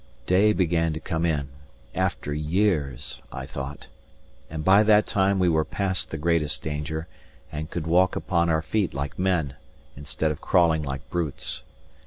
Day began to come in, after years, I thought; and by that time we were past the greatest danger, and could walk upon our feet like men, instead of crawling like brutes.